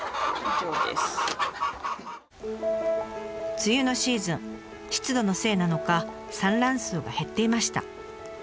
梅雨のシーズン湿度のせいなのか産卵数が減っていました。